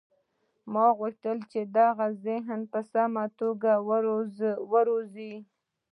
موږ غوښتل چې د هغه ذهن په سمه توګه وروزو